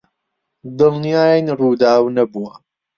دڵنیاین ڕووداو نەبووە.